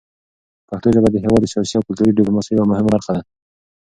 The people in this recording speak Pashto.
پښتو ژبه د هېواد د سیاسي او کلتوري ډیپلوماسۍ یوه مهمه برخه ده.